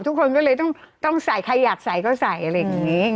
ทุกคนก็เลยต้องใส่ใครอยากใส่ก็ใส่อะไรอย่างนี้